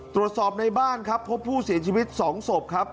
ตรวจสอบในบ้านครับพบผู้เสียชีวิต๒ศพครับ